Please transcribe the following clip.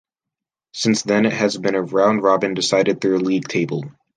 Since then it has been a round-robin decided through a league table.